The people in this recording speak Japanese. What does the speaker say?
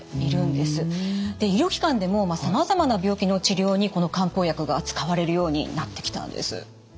で医療機関でもさまざまな病気の治療にこの漢方薬が使われるようになってきたんです。